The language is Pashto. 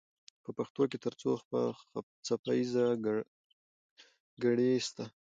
په پښتو کې تر څو څپه ایزه ګړې سته؟